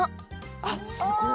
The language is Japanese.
あっすごい！